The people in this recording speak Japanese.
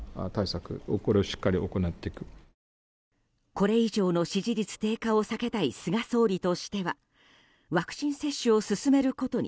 これ以上の支持率低下を避けたい菅総理としてはワクチン接種を進めることに